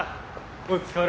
お疲れ。